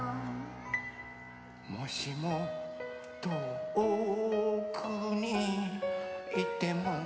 「もしもとおくにいっても」